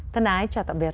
thân ái chào tạm biệt